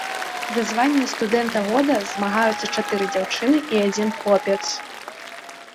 За званне студэнта года змагаюцца чатыры дзяўчыны і адзін хлопец.